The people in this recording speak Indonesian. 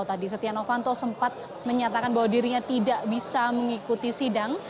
tadi setia novanto sempat menyatakan bahwa dirinya tidak bisa mengikuti sidang